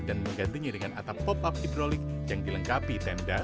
dan menggantinya dengan atap pop up hidrolik yang dilengkapi tenda